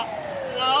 ああ。